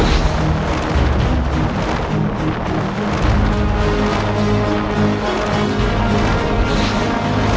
yang lebih baik adalah